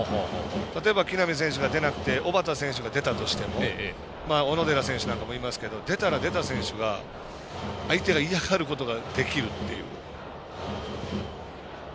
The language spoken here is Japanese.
例えば、木浪選手が出なくて小幡選手が出たとしても小野寺選手なんかもしますけど出たら、出た選手が、相手が嫌がることができるっていう。